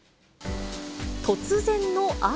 突然の雨。